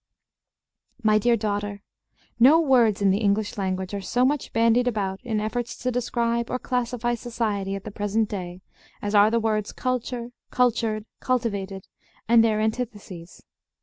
My Dear Daughter: No words in the English language are so much bandied about in efforts to describe or classify society at the present day as are the words "culture," "cultured," "cultivated" and their antitheses.